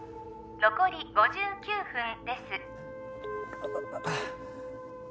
残り５９分です